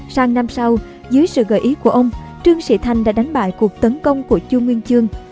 sang năm sau dưới sự gợi ý của ông trương sĩ thành đã đánh bại cuộc tấn công của chu nguyên chương